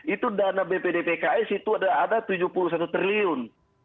itu dana bpd pks itu ada tujuh puluh satu triliun